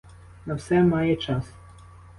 На все має час.